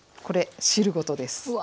これ汁ごとです。